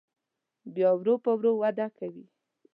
بیا ورو په ورو وده کوي.